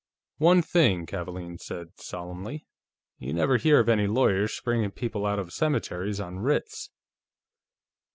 "One thing," Kavaalen said solemnly, "you never hear of any lawyers springing people out of cemeteries on writs."